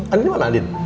andi dimana andi